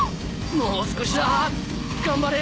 もう少しだ頑張れ！